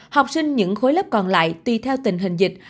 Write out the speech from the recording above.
khối lớp còn lại tùy theo tình hình dịch